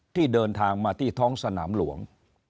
ที่เดินทางมาที่ท้องสนามหลวง